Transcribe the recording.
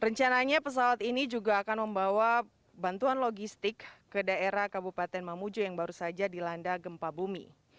rencananya pesawat ini juga akan membawa bantuan logistik ke daerah kabupaten mamuju yang baru saja dilanda gempa bumi